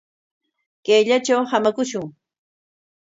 Kayllatraw hamakushun.